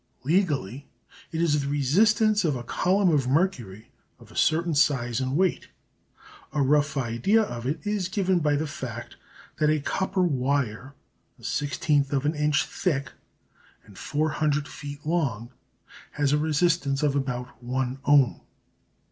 Legally it is the resistance of a column of mercury of a certain size and weight. A rough idea of it is given by the fact that a copper wire a sixteenth of an inch thick and 400 feet long has a resistance of about one ohm.